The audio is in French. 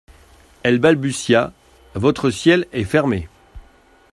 Elle balbutia : Votre ciel est fermé.